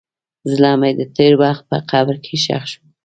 زړه مې د تېر وخت په قبر کې ښخ شو.